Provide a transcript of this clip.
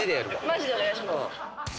マジでお願いします。